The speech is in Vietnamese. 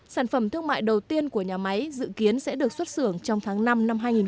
sản phẩm thương mại đầu tiên của nhà máy dự kiến sẽ được xuất xưởng trong tháng năm năm hai nghìn hai mươi